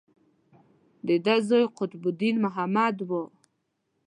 د ده زوی قطب الدین محمد و.